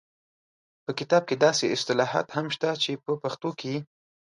په کتاب کې داسې اصطلاحات هم شته چې په پښتو کې